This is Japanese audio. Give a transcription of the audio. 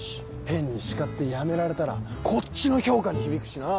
変に叱って辞められたらこっちの評価に響くしな。